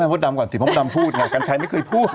มดดำก่อนสิเพราะมดดำพูดไงกัญชัยไม่เคยพูด